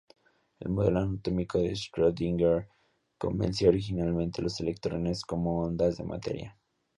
El modelo atómico de Schrödinger concebía originalmente los electrones como ondas de materia.